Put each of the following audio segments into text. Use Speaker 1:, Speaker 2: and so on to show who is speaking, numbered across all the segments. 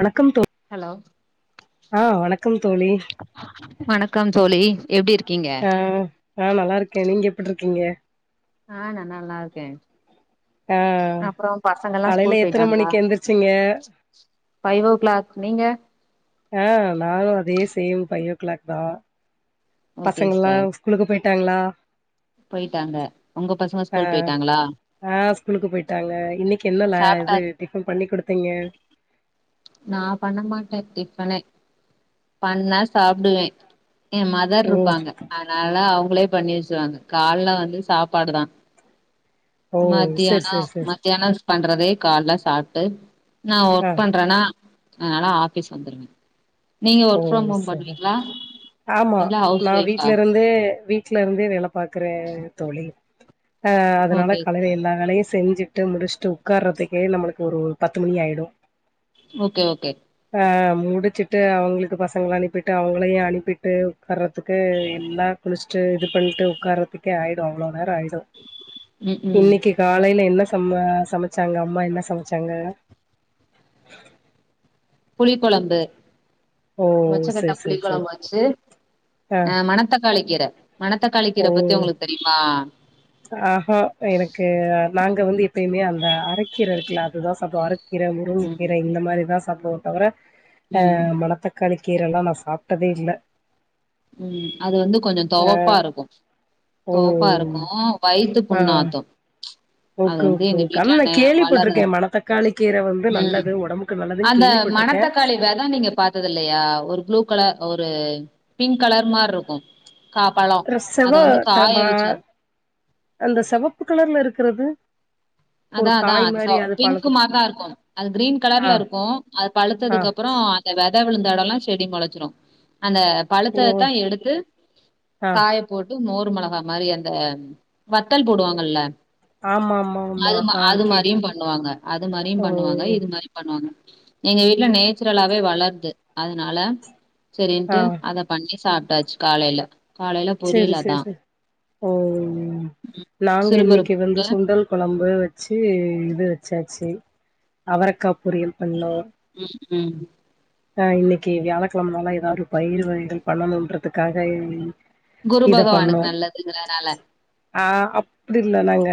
Speaker 1: வணக்கம் தோழி
Speaker 2: ஹலோ
Speaker 1: அ வணக்கம் தோழி
Speaker 2: வணக்கம் தோழி எப்டி இருக்கீங்க
Speaker 1: அ அ நல்லா இருக்கே நீங்க எப்டி இருக்கீங்க
Speaker 2: அ நா நல்லா இருக்கே
Speaker 1: ஆ
Speaker 2: அப்பறோ பசங்க எல்லா ஸ்கூல்
Speaker 1: காலையில எத்தன
Speaker 2: போயிட்டாங்களா
Speaker 1: மணிக்கு எந்திரிச்சீங்க
Speaker 2: பைவ் ஓ கிளாக் நீங்க
Speaker 1: நானு அதே சேம் ஃபைவ் ஓ கிளாக் தா
Speaker 2: ஓகே
Speaker 1: பசங்கள்ல்லா
Speaker 2: சிஸ்டர்
Speaker 1: ஸ்கூலுக்கு போயிட்டாங்களா
Speaker 2: போயிட்டாங்க ஒங்க பசங்க ஸ்கூல் போயிட்டாங்களா
Speaker 1: அ ஸ்கூலுக்கு போயிட்டாங்க இன்னைக்கு என்ன ந
Speaker 2: சாப்ட்டா
Speaker 1: இது டிஃபன் பண்ணி குடுத்தீங்க
Speaker 2: நா பண்ண மாட்டே டிஃபனே பண்ணா சாப்டுவே எ மதர்
Speaker 1: ஓ
Speaker 2: இருப்பாங்க அதனால அவங்களே பண்ணி வச்ருவாங்க காலைல வந்து சாப்பாடுதா
Speaker 1: ஓ செரி
Speaker 2: மத்யான
Speaker 1: செரி செரி
Speaker 2: மத்தியான பண்றதே காலைல சாப்ட்டு நா
Speaker 1: ஆ
Speaker 2: ஒர்க் பண்றனா அதனால ஆஃபிஸ் வந்துருவே நீங்க
Speaker 1: ஓ
Speaker 2: ஒர்க் ஃப்ரெம் ஹோம்
Speaker 1: செரி
Speaker 2: பண்ணுவீங்களா இல்ல ஹவுஸ் ஒய்ஃபா
Speaker 1: ந்து வீட்லே இருந்தே வேல பாக்குற தோழி ஆ அதனால
Speaker 2: ஓகே.
Speaker 1: காலையில எல்லா வேலயு செஞ்சு ட்டு முடிச்சுட்டு உட்காறதுக்கே நம்மளுக்கு ஒரு பத்து மணி ஆயிடு
Speaker 2: ஓகே ஓகே
Speaker 1: ஆ முடிச்சுட்டு அவுங் ஸ்கூலுக்கு பசங்கள அனுப்பிட்டு அவுங்களையு அனுப்பிட்டு உட்காரதுக்கு எல்லா குளிச்சுட்டு இது பண்ணிட்டு உக்காரத்துக்கே ஆயிடு அவ்ளோ நேர ஆயிடு
Speaker 2: ம், ம்.
Speaker 1: இன்னக்கி காலையில என்ன சம சமைச்சாங்க அம்மா என்ன சமைச்சாங்க
Speaker 2: புளி கொழம்பு
Speaker 1: ஓ
Speaker 2: மொச்சக்கட்ட
Speaker 1: செரி
Speaker 2: புளி
Speaker 1: செரி செரி
Speaker 2: கொழம்பு வச்சு
Speaker 1: ஆ
Speaker 2: அ மணத்தக்காளி கீர மணத்தக்காளிக்கீர பத்தி உங்களுக்கு தெரியுமா
Speaker 1: ஆ எனக்கு நாங்க வந்து எப்பயுமே அந்த அரக்கீர இருக்குல அதுதா சாப்டுவோ கீர முருங்
Speaker 2: ம்,
Speaker 1: கீர இந்த மாதிரிதா சாப்பிடுவோ தவிர ஆ
Speaker 2: ம்,
Speaker 1: மனத்தக் காளிக்கீர எல்லா நா சாப்டதே இல்ல
Speaker 2: ம் அது வந்து கொஞ்சோ தொவப்பா இருக்கு
Speaker 1: ஓ
Speaker 2: தொவப்பா இருக்கு வயித்து புண்
Speaker 1: ஆ
Speaker 2: ஆத்து
Speaker 1: ஓகே ஒகே ஆனா கேள்விப்பட்டிருக்கே மணத்தக்காளி கீர வந்து
Speaker 2: ம்.
Speaker 1: நல்லது ஒடம்புக்கு நல்லது
Speaker 2: அந்த மணத்தக்காளி வெத அதா நீங்க பாத்தது இல்லியா ஒரு ப்ளூ கலர் ஒரு பிங்க் கலர் மார் இருக்கு கா பழா
Speaker 1: ர செவ
Speaker 2: அத வந்து
Speaker 1: த
Speaker 2: காய
Speaker 1: ம
Speaker 2: வச்சு
Speaker 1: அந்த செவப்பு கலர்ல இருக்குறது
Speaker 2: அதா அதா அது பிங்க் மாரி
Speaker 1: பழத்துக்கு
Speaker 2: தா இருக்கு அது கிரீன்
Speaker 1: ஆ,
Speaker 2: கலர்ல இருக்கு அது
Speaker 1: ஆ,
Speaker 2: பழுத்ததுக்கு அப்றோ வெத விழுந்த எடமேல்லா செடி மொளச்சிடு அந்த
Speaker 1: ஓ,
Speaker 2: பழுத்தத்தா எடுத்து
Speaker 1: ஆ.
Speaker 2: காய போட்டு மோர் மிளகா மாரி அந்த வத்தல் போடுவாங்கல்ல
Speaker 1: ஆம்மாம்மா
Speaker 2: அது மா அது மாரியு பண்ணுவாங்க அது மாரியு
Speaker 1: ஓ,
Speaker 2: பண்ணுவாங்க இது மாரி பண்ணுவாங்க எங்க வீட்ல நேச்சுரலாவே வளருது அதனால
Speaker 1: ஆ.
Speaker 2: சரின்ட்டு அத பண்ணி சாப்டாச்சு காலைல
Speaker 1: சேரி சேரி ச ஓ நாங்க
Speaker 2: சிறுபருப்பு
Speaker 1: இன்னைக்கு வந்து
Speaker 2: போட்டு
Speaker 1: சுண்டல் கொழம்பு வச்சீ இது வச்சாச்சு அவரக்கா பொரியல் பண்ணோ
Speaker 2: ம் ம்
Speaker 1: ஆ இன்னக்கி வியாழக்கிழமனால எதாவுது பயிர் வகைகள் பண்ணணுன்றதுக்காக
Speaker 2: குரு
Speaker 1: இத பண்ணோ
Speaker 2: பகவானுக்கு நல்லதுங்கறனால
Speaker 1: ஆ அப்டி இல்ல நாங்க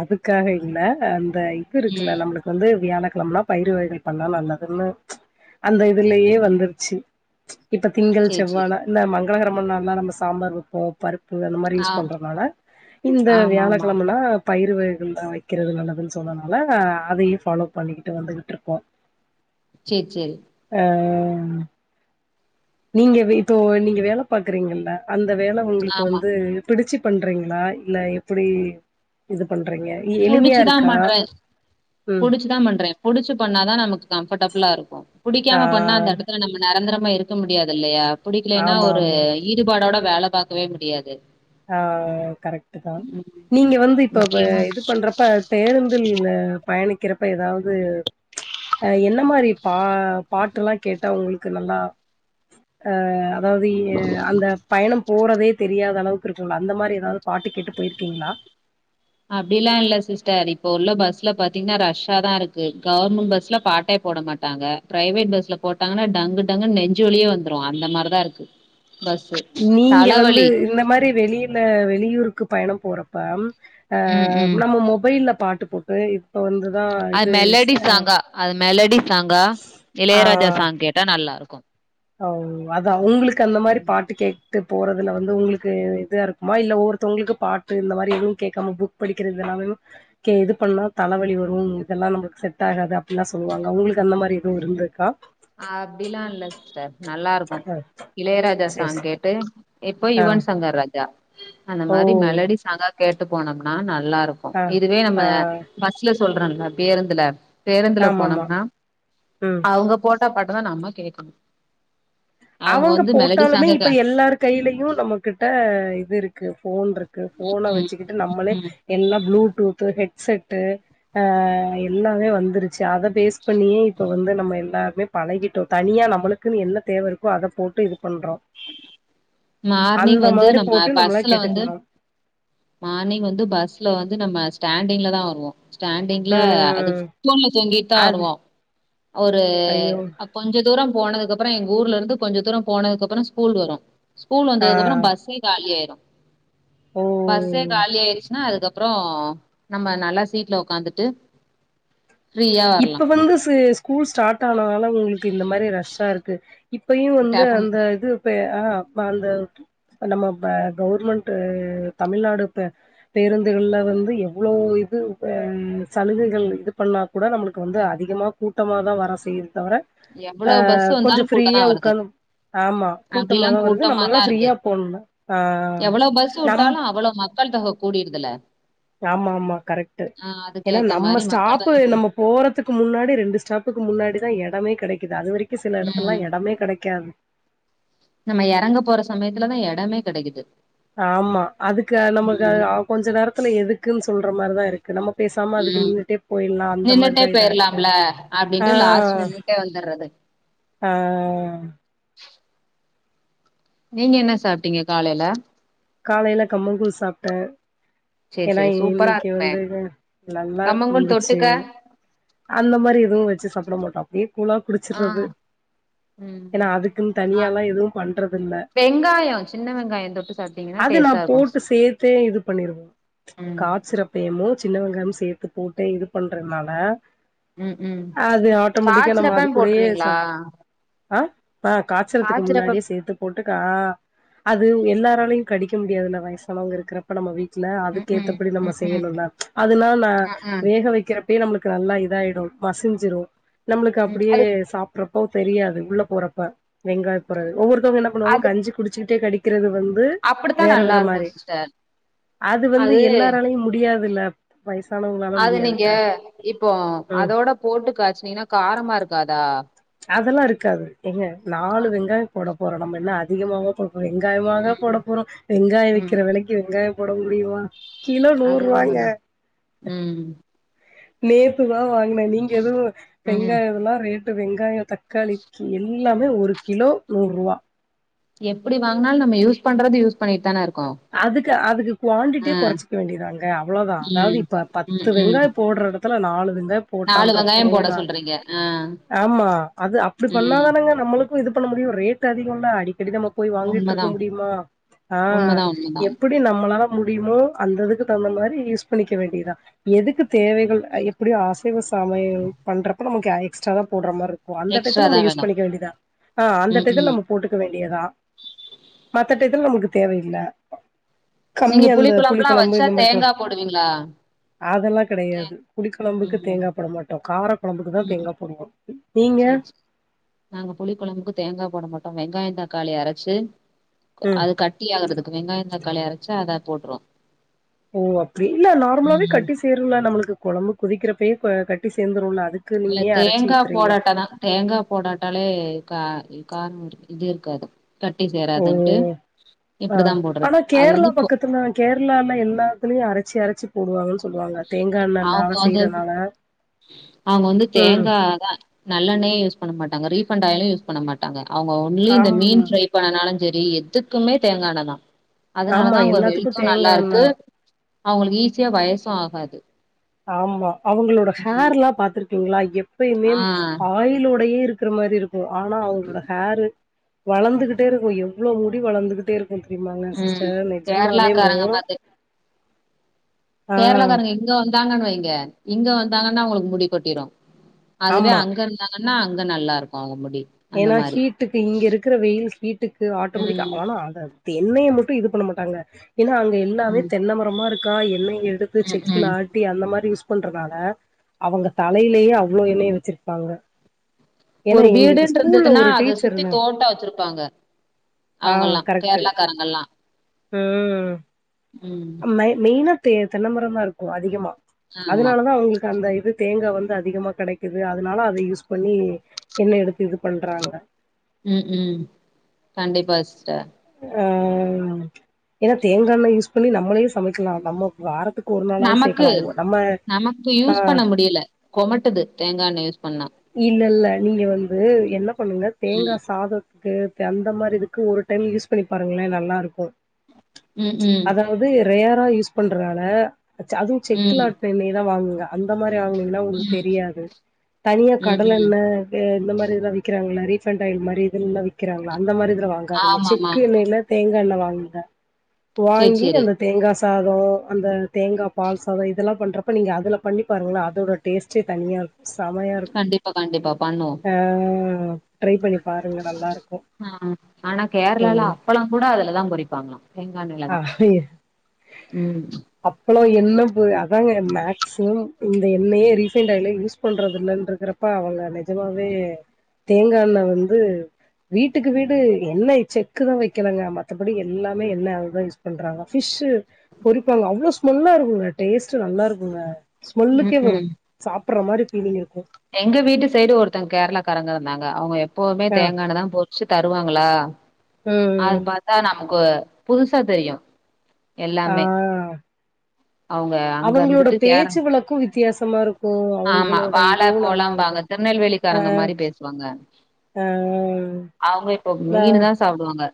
Speaker 1: அதுக்காக இல்ல அந்த இது இருக்குல்ல
Speaker 2: ம்
Speaker 1: நம்மளுக் கு வந்து வியாழக்கிழமனா பயிறு வகைகள் பண்ணா நல்லதுன்னு அந்த இதுலயே வந்துருச்சு இப்ப திங்கள்
Speaker 2: சரி
Speaker 1: செவ்வாழ
Speaker 2: சரி
Speaker 1: இந்த மங்களலகரமம்னாள் நம்ம சாம்பார் வைப்போ பருப்பு அந்த மாரி
Speaker 2: ஆ
Speaker 1: யூஸ் பண்றதுனால இந்த
Speaker 2: ஆமா ஆமா
Speaker 1: வியாழக்கிழமனா பயிறு வைகள் வைக்கிறது நல்லதுன்னு சொன்னதுனால அதையு ஃபாலோ பண்ணிக்கிட்டு வந்துகிட்டு இருக்கோ
Speaker 2: சேரி சேரி
Speaker 1: ஆ நீங்க இப்போ நீங்க வேல பாக்குறீங்கல்ல அந்த வேல உங்களுக்கு
Speaker 2: ஆமா
Speaker 1: வந்து பிடிச்சு பண்றீங்களா இல்ல எப்டி இது பண்றீங்க எ எளிமையா
Speaker 2: புடிச்சுதான்
Speaker 1: இருக்கா
Speaker 2: பண்றே
Speaker 1: ம்
Speaker 2: புடிச்சுதா பண்றே புடிச்சு பண்ணாதா நமக்கு கம்ஃபர்டபிளா இருக்கும்
Speaker 1: ஆ
Speaker 2: புடிக்காம பண்ணா அந்த எடத்துல நம்ம நரந்தரமா இருக்க முடியாது இல்லயா புடிக்கலன்னா
Speaker 1: ஆமா
Speaker 2: ஒரு
Speaker 1: ஆமா
Speaker 2: ஈடுபாடோட வேல பாக்கவே முடியாது
Speaker 1: ஆ கரெக்ட்டு தான்
Speaker 2: ம்,
Speaker 1: நீங்க வந்து இப்ப
Speaker 2: முக்கியமா
Speaker 1: இது பண்றப்ப பேருந்துல பயணிக்கிறப்ப ஏதாது அ என்ன மாரி பா பாட்டெல்லா கேட்டா உங்களுக்கு நல்லா அ வழிய அந்த பயணம் போறதே தெரியாத அளவு இருக்குங்கள அந்த மாரி ஏதாது பாட்டு கேட்டு போயிருக்கீங்ளா
Speaker 2: அப்டிலா இல்ல சிஸ்டர் இப்ப உள்ள பஸ்ல பாத்தீங்கன்னா ரஷ்ஷா தா இருக்கு கவர்மெண்ட் பஸ்ல பாட்டே போட மாட் டாங்க பிரைவேட் பஸ்ல போட்டாங்கன்னா டங்கு டங்கு நெஞ்சு வலியே வந்துரும் அந்த மார்தாருக்கு
Speaker 1: நீங்க வந்து இந்த மாரி வெளிய ல வெளியூருக்கு பயணம் போறப்பம் அ
Speaker 2: ம் ம்
Speaker 1: நம்ம மொபைல்ல பாட்டு போட் பே இப்ப வந்து
Speaker 2: அது மெலடி சாங்கா அது மெலடி சாங்கா இளையராஜா சாங் கேட்டா நல்லாருக்கும்
Speaker 1: அ அதா உங்களுக்கு அந்த மாரி பாட்டு கேட்டுட்டு போறதுல வந்து உங்களுக்கு இதாருக் குமா இல்ல ஒவ்வொருதங்களுக்கு பாட்டு இந்த மாரி எதும் கேக்காம புக் படிக்கறது எல்லா கே இது பண்ணா தலவழி வரும் இதெல்லா நம்மளுக் செட் ஆகாது அப்டின்லா சொல்லுவாங்க உங்களுக்கு அந்த மாரி எதும் இருந்துருக்கா
Speaker 2: அப்டிலா இல்ல ஸ்டர் நல்லாருக்கும்
Speaker 1: அ
Speaker 2: இளையராஜா
Speaker 1: சரி
Speaker 2: சாங்
Speaker 1: சரி.
Speaker 2: கேட்டு இப்போ
Speaker 1: ஆ
Speaker 2: யுவன் சங்கர் ராஜா அந்த
Speaker 1: ஓ!
Speaker 2: மாரி மெலடி சாங்கா கேட்டு போனோம்னா நல்லாருக்கும்
Speaker 1: ஆ
Speaker 2: இதுவே நம்ம
Speaker 1: ஆ
Speaker 2: பஸ்ல சொல்றோம்ல பேருந்துல பேருந்துல
Speaker 1: ஆமாமா.
Speaker 2: போனோம்ன
Speaker 1: ம்.
Speaker 2: அவங்க போட்டா பாட்டதா நம்ம கேட்கணு
Speaker 1: அவங்க போட்டாலுமே இப்ப எல்லாருக் கைலயும் நம்மகிட்ட இது இருக்கு ஃபோன்ட்ருக்கு ஃபோன
Speaker 2: ம்
Speaker 1: வச்சுக்கிட்டு நம்மளே
Speaker 2: ம்
Speaker 1: எல்லாம் ப்ளூடூத்து ஹெடட்செட்டு அ எல்லாமே வந்துருச்சு அத பேஸ் பண்ணியே இப்ப வந்து நம்ம எல்லாருமே பழகிட்டோம் தனியா நம்மளுக்குன் என்ன தேவருக்கோ அத போட்டு இது பண்றோ
Speaker 2: மார்னிங்
Speaker 1: அந்த
Speaker 2: வந்து
Speaker 1: மாரி
Speaker 2: நம்ம
Speaker 1: போட்டு நம்மள
Speaker 2: பஸ்ல வந்து
Speaker 1: கேட்டுக்லா
Speaker 2: மார்னிங் வந்து பஸ்ல வந்து நம்ம ஸ்டாண்டிங்ல தா வருவோ ஸ்டாண்டிங்ல அது
Speaker 1: ம்
Speaker 2: தூண்ல தொங்கிட்தா
Speaker 1: அது
Speaker 2: வருவோ ஒரு
Speaker 1: ஐயோ
Speaker 2: கொஞ்ச தூரோ போனதுகப்புறோ எங்க ஊர்லருந்து கொஞ்ச தூரோ போனதுக்கப்புரோ ஸ்கூல் வரும் ஸ்கூல்
Speaker 1: ஆ
Speaker 2: வந்ததுகப்புறோ பஸ்ஸே காலி ஆயிரும்
Speaker 1: ஓ
Speaker 2: பஸ்ஸே காலி ஆயிருச்சுன்னா அதுக்கப்புறோ நம்ம நல்லா சீட்ல ஒக்காந்துட்டு
Speaker 1: இப்ப வந்து ச ஸ்கூல் ஸ்டார்ட் ஆனனால உங்களுக்கு இந்த மாரி ரஷ்ஷாருக்கு இப்பையும் வந்து
Speaker 2: டேஃபன்
Speaker 1: அந்த இதுப்பே அ அந்த நம்ம ப கவுர்மெண்ட் தமிழ்நாடு ப பேருந்துகள்ல வந்து எவ்ளளோ இது சலுகைகள் இது பண்ணா குட நம்மளுக்கு வந்து அதிகமா கூட்டமாதா வர செய் தவர அ
Speaker 2: எவ்வளவு பஸ்
Speaker 1: கொஞ்ச
Speaker 2: வந்தாலும் கூட்டம்
Speaker 1: ஃப்ரீயா
Speaker 2: தான் வருது
Speaker 1: உக்காணு ஆம்மா கூட்டமாதா
Speaker 2: அப்படிலாம்
Speaker 1: வருது
Speaker 2: கூட்டமா
Speaker 1: நம்மளல்லா
Speaker 2: தான் இருக்கு
Speaker 1: ஃப்ரீயா போணும் ஆ நம்
Speaker 2: கூடியர்தல்ல
Speaker 1: ஆமா ஆமா கரெக்ட்டு ஏன்னா
Speaker 2: அதுக்கேத்த
Speaker 1: நம்ம
Speaker 2: மாதிரி மக்கள்
Speaker 1: ஸ்டாப்பு
Speaker 2: தொகை கூடும்
Speaker 1: நம்ம போறதுக்கு முன்னாடி ரெண்டு ஸ்டாப்புக்கு முன்னாடிதா எடமே கெடைக்குது அது வரைக் சில
Speaker 2: உம்
Speaker 1: எடத்துலல்லா எடமே கெடைக்காது
Speaker 2: நம்ம எறங்க போற சமயத்துலதா எடமே கெடைக்குது
Speaker 1: ஆம்மா அதுக்கு நமக்கு
Speaker 2: ம்
Speaker 1: கொஞ்ச நேரத்துல எதுக்குன் சொல்ற மார்தாருக் நம்ம பேசாம அதுக்கு
Speaker 2: ம்
Speaker 1: நின்னுட்டே போயிலா அந்த
Speaker 2: நின்னுட்டே
Speaker 1: மார்தா இதா இருக்கு ஆ
Speaker 2: இங்க வந்துர்றது
Speaker 1: ஆ
Speaker 2: நீங்க என்ன சாப்பிட்டீங்க காலேல
Speaker 1: காலைல கம்மங்கூழ் சாப்ட்டே
Speaker 2: சேரி
Speaker 1: ஏன்னா
Speaker 2: சேரி சூப்பரா
Speaker 1: இன்னிக்கு
Speaker 2: இருக்குமே
Speaker 1: வந்து நல்லா
Speaker 2: கம்மங்கூழ்
Speaker 1: இருந்துச்சு
Speaker 2: தொட்டுக்க
Speaker 1: அந்த மாரி எதுவு வச்சு சாப்பிட மாட்டோ அப்டியே கூழா
Speaker 2: ஆ
Speaker 1: குடிச்சிட்றது
Speaker 2: ம்
Speaker 1: ஏன்னா அதுக்குன்
Speaker 2: ஆ
Speaker 1: தனியால்லா எதுவு பண்றதில்ல
Speaker 2: வெங்காயோ சின்ன வெங்காயோ தொட்டு சாப்ட்டீங்கன்னா
Speaker 1: அது நா
Speaker 2: டேஸ்ட்டா இருக்கு
Speaker 1: போட்டு சேத்தே இது பண்ணிருவே
Speaker 2: ம்
Speaker 1: காச்சிரப் வேமு சின்ன வெங்காய்மு சேத்து போட்டு இது பண்றனால
Speaker 2: ம் ம்
Speaker 1: அது ஆட்டோமேட்டிக்கா நம்ம அது
Speaker 2: காய்ச்சிரப்பம்
Speaker 1: கூடயே
Speaker 2: போட்ருவீங்களா
Speaker 1: சாப் ஆ ஆ காச்சிறத்துக்கு
Speaker 2: காய்ச்சிரப்பம்
Speaker 1: முன்னாடியே சேத்துப் போட்டுக்கா அது உங் எல்லாராலையு கடிக்க முடியாதுல வயசானவங்க இருக்கிற இப்ப நம்ம வீட்ல
Speaker 2: ம்
Speaker 1: அதுக்கு
Speaker 2: ம்
Speaker 1: ஏத்தபடி நம்ம
Speaker 2: ம் ம்
Speaker 1: செய்யணுனா அதுனா நா
Speaker 2: அ ஆ
Speaker 1: வேக வெக்கிற அப்டியே நம்புளுக் நல்லா இதாயிடு மசிஞ்சிறு நம்புளுக்கு
Speaker 2: ம்
Speaker 1: அப்பிடியே
Speaker 2: அது
Speaker 1: சாப்ப றொப்போ தெரியாது உள்ள போறப்ப வெங்காய போறது ஒவ்வொருத்தங்க இன்ன பண்ணுவாங்க
Speaker 2: அது
Speaker 1: கஞ்ச குடிச்சிட்டே கடி க்கிறது வந்து
Speaker 2: அப்டித்தா
Speaker 1: வேற
Speaker 2: நல்லா
Speaker 1: வேற மாரி
Speaker 2: இருக்கு சிஸ்டர்
Speaker 1: அது வந்து எல்லாராலயு முடியாதுல்ல வயசானவங்களால
Speaker 2: அது நீங்க
Speaker 1: முடியாதுல்ல
Speaker 2: இப்போ
Speaker 1: ம்
Speaker 2: அதோட போட்டு காச்சுனீனா காரமா இருக்காதா
Speaker 1: அதெல்லா இருக்காது ஏங்க நாலு வெங்காய போட போறோ நம்ம என்ன அதிகமாவ போட போறோ வெங்காயம் காயமாக போட
Speaker 2: ம்
Speaker 1: போறோ வெங்காய
Speaker 2: ம்
Speaker 1: விக்கிற வெலைக்கு வெங்காய போட முடியுமா கிலோ
Speaker 2: அது
Speaker 1: நூறுவாங்க
Speaker 2: உண்மதா ம்
Speaker 1: நேத்து தா வாங்னே நீங்க எதுவு
Speaker 2: ம்
Speaker 1: வெங்காய எல்லா ரேட் டு வெங்காய தக்காளி கி எல்லாமே ஒரு கிலோ நூற்வா
Speaker 2: எப்டி வாங்கினாலு நம்ம யூஸ் பண்றது யூஸ் பண்ணிட்தான இருக்கோ
Speaker 1: அதுக்கு அதுக்கு
Speaker 2: ஆ
Speaker 1: குவான்டிட்டிய குறைச்சிக்க வேண்டியதாங்க அவ்ளோதா அதாவது
Speaker 2: ம்
Speaker 1: இப்ப பத்து
Speaker 2: ம் ம்
Speaker 1: வெங்காய போட்ற இடத் துல நாலு வெங்காய்
Speaker 2: நாலு
Speaker 1: போட்டான்ற
Speaker 2: வெங்காயம் போட
Speaker 1: போல்தான்
Speaker 2: சொல்றீங்க ஆ
Speaker 1: ஆமா அது அப்டி
Speaker 2: ம்
Speaker 1: பண்ணாதானேங்க நம்ளுக் கு இது பண்ண முடியு ரேட் அதிகோந்தா அடிக்கடி நம்ம போய் வாங்கிட்ருக்க முடியுமா ஆ
Speaker 2: சொல்லுங்க
Speaker 1: எப்புடி நம்மளால முடியுமோ அந்ததுக்கு தகுந்த மாரி யூஸ் பண்ணிக்க வேண்டியதா எதுக்கு தேவைகள் எப்டியோ அசைவ சமையல் பண்றப்ப நமக்கு எக்ஸ்ட்ரா தா போட்ற மார்ருக் கு அந்த
Speaker 2: எக்ஸ்ட்ரா
Speaker 1: டைத்துல
Speaker 2: தா
Speaker 1: நம்ம யூஸ்
Speaker 2: வேணு
Speaker 1: பண்ணிக்க வேண்டியதா ஆ அந்த
Speaker 2: ம்
Speaker 1: டைதுல்
Speaker 2: ம்
Speaker 1: நமுக் போட்டுக்க வேண்டியதா மத்த டையத்துல நமக்கு தேவையில்ல
Speaker 2: நீங்க
Speaker 1: கம்மியா அந்த புளி
Speaker 2: குழம்புலா
Speaker 1: குழம்பு
Speaker 2: வச்சா
Speaker 1: இந்த மாரி பா
Speaker 2: தேங்கா போடுவீங்களா
Speaker 1: அதெல்லா
Speaker 2: தே
Speaker 1: கிடையாது புளி கொழம்புக்கு
Speaker 2: ம்
Speaker 1: தேங்கா போட மாட்டோ காரக் கொழம்புக்குதா
Speaker 2: ம்
Speaker 1: தேங்கா போடுவோ நீங்க
Speaker 2: சேரி சேரி நாங்க புளி கொழம்புக்கு தேங்கா போட மாட்டோ வெங்காய தக்காளி அரச்சு
Speaker 1: ம்
Speaker 2: அது கட் டி ஆகற்துக்கு வெங்காய தக்காளி அரைச்சி அதா போட்டுறுவ
Speaker 1: ஓ அப்டி இல்ல நார்மலாவே
Speaker 2: ம்
Speaker 1: கட்டி சேறுல நம்ளுக்கு கொழம்பு குதிக்கிறப்பே ப கட்டி சேந்துருல அதுக்
Speaker 2: இல்ல தேங்கா போடாட்டதா தேங்கா போடாட்டாலே கா கார்ணம் இது இருக்காது கட்டி
Speaker 1: ஓ
Speaker 2: சேராதுன்ட்டு
Speaker 1: ஆ
Speaker 2: இப்டிதா போட்றது
Speaker 1: ஆனா
Speaker 2: அது
Speaker 1: கேரளா
Speaker 2: வந்து கோ
Speaker 1: பக்கத்துல கேரளால எல்லாத்துலியு அரச்சி அரச்சி போடுவாங்கன் சொல்லுவாங்க தேங்கா எண்ணெனால செய்றனால
Speaker 2: அவுங்க வந்து தேங்காதா நல்லெண்ணையே யூஸ் பண்ண மாட்டாங்க ரீஃபண்ட் ஆயிலு யூஸ் பண்ண மாட் ட்டாங்க அவுங்க ஒன்லி இந்த
Speaker 1: ஆமா
Speaker 2: மீன் ஃபிரைப் பண்ணனாலுஞ் செரி எதுக்குமே தேங்கா எண்ணெதா
Speaker 1: ஆமா
Speaker 2: அதனாலதா அவுங்க
Speaker 1: எல்லாத்துக்கு
Speaker 2: ஹெல்த்தும்
Speaker 1: தேங்கா
Speaker 2: நல்லாருக்கு
Speaker 1: எண்ணெ
Speaker 2: அவுங்களுகு ஈஸியா வயசு ஆகாது
Speaker 1: ஆமா அவுங்களோட
Speaker 2: ம்
Speaker 1: ஹேர்லாப் பாத்துருக்கீங்ளா எப்
Speaker 2: ஆ
Speaker 1: ப்பயுமேம் ஆயிலோடையே இருக்கிற மாரி இருக் கு ஆனா அவுங்களோட ஹேரு வளந்துகிட்டே இருகு எவ்ளோ முடி வளந்துகிட்டேருக் கு தெரியுமாங்க
Speaker 2: ம்
Speaker 1: சிஸ்டர் நெஜமாவேமு
Speaker 2: கேரளாக்காரங்க கேரளாகாரங்க இங்க வந்தாங்கன் வைங்க இங்க வந்தாங்கன்னா அவுங்களுக்கு முடி கொட்டிரு அதுவே
Speaker 1: ஆமா
Speaker 2: அங்க இருந்தாங்கன்னா அங்க நல்லாருக்கு அவுங்க முடி அந்த
Speaker 1: எனா
Speaker 2: மாரி
Speaker 1: ஹீட்டுக்கு இங்க இருக்கிற வெயில் ஹீட்டுக்கு
Speaker 2: ம்
Speaker 1: ஆட்டோமேட்டிக்கா ஆனா அத த எண்ணெய மட்டு இதுப் பண்ண மாட்டாங்க எனா அங்க எல் ல்லாமே
Speaker 2: ம்
Speaker 1: தென்ன மரமா இருக்கா எண்ணெய் எடுத்து
Speaker 2: ம் ம்
Speaker 1: செக்ல ஆட் ட்டி அந்த மாரி யூஸ் பண்றனால அவங்கத் தலையிலேயே அவ்ளோ எண்ணெய வெச்சிருப்பாங்க எனா எங்ளுக்குச்
Speaker 2: ட்ருந்ததுன்னா அத சுத்தி தோட்டோ வெச்சிருப்பாங்க
Speaker 1: ஆ
Speaker 2: அவுங்கல்லா
Speaker 1: கரெக்ட்
Speaker 2: கேரளாக்காரங்கல்லா ம்
Speaker 1: மயே மெயினாத் தெ தென்னமரந்தா இருக்கு அதிகமா
Speaker 2: ஆமா
Speaker 1: அதனாலதா அவுங்ளுக் க அந்த இது தேங்கா வந்து அதிகமா கெடைக்கிது அதுனால அத யூஸ் பண்ணி எண்ணெ எடுத்து இதுப் பண்றாங்க
Speaker 2: ம் ம் கண்டிப்பா சிஸ்டர்
Speaker 1: ஆ எனாத் தேங்கா எண்ணெ யூஸ் பண்ணி நம்மளே சமைக்லா நம்மக் வாரத்துக்
Speaker 2: நமக்கு நமக்கு
Speaker 1: ஆ
Speaker 2: யூஸ் பண்ண முடியல கொமட்டுது தேங்காண்ணெ யூஸ் பண்ணா
Speaker 1: இல்ல இல்ல நீங்க வந்து என்னப் பண்ணுங்க
Speaker 2: ம்
Speaker 1: தேங்கா சாதத்க்கு தெ அந்த மாரி இதுக்கு ஒருட் டைம் யூஸ் பண்ணி பாருங்ளே நல்லாருக்கு
Speaker 2: ம் ம்
Speaker 1: அது ரேரா யூஸ் பண்றால ச அதுவு செக்குல
Speaker 2: ம்
Speaker 1: ஆட்ன எண்ணெயதா வாங்குங்கா அந்த மாரி வாங்னீங்னா உங்ளு
Speaker 2: ம்
Speaker 1: தெரியாது தனியாக்
Speaker 2: ம் ம்
Speaker 1: கடலெண்ணே எ இந்த மாரி இதலா விக்கிறாங்கல்ல ரீஃபண்ட் ஆயில் மாரி இதெல்லா விக்கிறாங்கலா அந்த மாரி இதுல வாங்
Speaker 2: ஆமமா
Speaker 1: இல்லேனாத் தேங்கா எண்ணெ வாங்குங்க
Speaker 2: சேரி
Speaker 1: வாங்கி
Speaker 2: சேரி
Speaker 1: அந்தத் தேங்கா சாதோ அந்த தேங்காப் பால் சாதோ இதெல்லாம் பண்றப்ப நீங்க அதுலப் பண்ணிப் பாருங்ளே அதோடட் டேஸ்ட்டே தனியாருக் செமையாருக்
Speaker 2: கண்டிப்பா கண்டிப்பா பண்ணுவோ
Speaker 1: ஆ ட்ரைப் பண்ணி பாருங்க நல்லாருக்கு
Speaker 2: ஆ ஆனாக் கேரளால அப்பளங் கூட அதுலதாம் பொரிப்பாங்ளா தேங்கா
Speaker 1: ஆ
Speaker 2: எண்ணைலதா ம்
Speaker 1: அப்பளோ என்னப்பு அதாங்க மேக் சிமம் இந்த எண்ணையே ரீஃபைன்ட் ஆயிலே யூஸ் பண்றதில்லன்ருக்கறப்ப அவங்க நெஜமாவே தேங்காண்ணெ வந்து வீட்டுக்கு வீடு எண்ணெய் செக்குதா வைக்கலங்க மத்தபடி எல்லாமே எண்ணெ அ தா யூஸ் பண்றாங்க ஃபிஷ்சு பொரிப்பாங்க அவ்ளோ ஸ்மெல்லா இருகுங்க டேஸ்ட்டு நல்லாருகுங்க
Speaker 2: ம்
Speaker 1: ஸ்மெல்லுக்கே வரு
Speaker 2: ம்
Speaker 1: சாப்பர்ற மாரி ஃபீலிங் இருக்கு
Speaker 2: எங்க வீட்டு சைடு ஒருத்தங் கேர்ளாக்காரங்க இருந்தாங்க அவுங்க எப்போவுமே
Speaker 1: ஆ
Speaker 2: தேங்காண்ணாதாம் பொர் ச்சு தருவாங்களா அது
Speaker 1: ம்
Speaker 2: பாத்தா நமக்கு புதுசாத் தெரியு
Speaker 1: ஆ
Speaker 2: எல்லாமே அவங்க அங்க
Speaker 1: அவங்களோட
Speaker 2: இருந்துட்டு கேற
Speaker 1: பேச்சு வழக்கு வித்தியாசமா இருக்கு
Speaker 2: ஆமா
Speaker 1: அவங்களோட
Speaker 2: வாழ
Speaker 1: இதுவு நல்லா
Speaker 2: போலாம்பாங்க
Speaker 1: இருக்கு
Speaker 2: திருநெல்வேலிக்காரங்க மாரி பேசுவாங்க
Speaker 1: ஆ
Speaker 2: அவங்க இப்ப
Speaker 1: நா
Speaker 2: மீனு தா சாப்டுவாங்க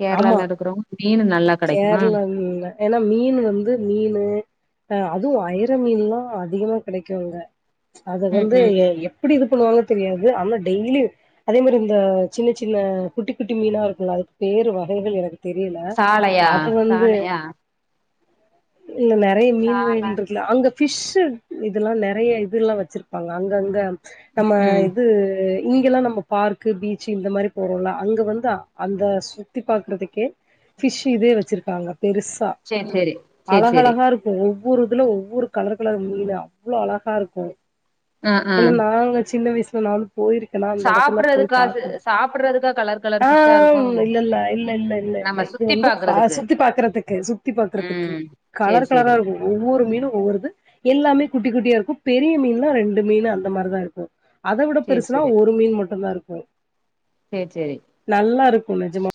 Speaker 2: கேரளால இருக்கிறவங்க மீனு நல்லா கெடைக்குமா
Speaker 1: கேரளம்ல்ல ஏனா மீன் வந்து மீனு அதுவு அயிர மீன்லா அதிகமா கெடைக்கு அங்க அது
Speaker 2: ம்
Speaker 1: வந்து
Speaker 2: ம்
Speaker 1: எப்டி இது பண்ணுவாங்கு தெரியாது ஆனா டெய்லியு அதே மாரி இந்த சின்ன சின்ன குட்டி குட்டி மீனா இருக்குல்ல அதுக்கு பேறு வகைகள் எனக்குத் தெரியல
Speaker 2: சாலையா
Speaker 1: அத வந்து
Speaker 2: சாலையா
Speaker 1: இல்ல நெறைய மீன்
Speaker 2: சால
Speaker 1: வகைகள் இல்ல அங்க ஃபிஷ்ஷு இதல்லா நெறைய இதலா வச்சுருப்பாங்க அங்கங்க நம்ம
Speaker 2: ம்
Speaker 1: இது இங்கல்லா நம்ம பார்க்கு பீச்சு இந்த மாரி போறோல அங்க வந்து அந்த சுத்தி பாக்கறதுக்கே பிஷ்ஷு இதே வச்சிருக்காங்க பெருசா
Speaker 2: சேரி சேரி சேரி சேரி
Speaker 1: அழகழகா இருக் இப்ப ஒவ்வொரு இதுல ஒவ்வொரு கலர் கலர் மீனா அவ்ளோ அழகா இருக்கு
Speaker 2: ஆ ஆ
Speaker 1: இல்ல நாங்க சின்ன வயசுல நானு போயிருக்கனா அந்த எடத்துல போய்
Speaker 2: சாப்புட்றதுக்கா
Speaker 1: பாகற
Speaker 2: சாப்புட்றதுக்கா கலர் கலர்
Speaker 1: ஆ
Speaker 2: ஃபிஷ்ஷா
Speaker 1: இல்ல இல்ல இல்ல இல்ல இல்ல இல்லை
Speaker 2: சுத்திப்பாக்
Speaker 1: பா சுத்தி பாக்குறதுக்கு சுத்தி பாக்குறதுக்கு
Speaker 2: சேரி
Speaker 1: கலர் கலரா
Speaker 2: சேரி
Speaker 1: இருக்கு ஒவ்வொரு மீனு ஒவ்வொருது எல்லாமே குட்டி குட்டியா இருக்கு பெரிய மீன்ல்லா ரெண்டு மீன் அந்த மாரிதா இருக்கு அத விட
Speaker 2: சேரி
Speaker 1: பெருசுனா
Speaker 2: சேரி
Speaker 1: ஒரு மீன் மட்டுந்தா இருக்கு
Speaker 2: சேரி சேரி
Speaker 1: நல்லா இருக்கு நெஜமா